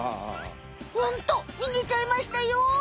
ホントにげちゃいましたよ！